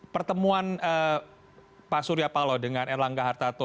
pertemuan pak surya paloh dengan erlangga hartarto